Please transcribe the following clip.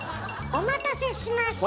お待たせしました！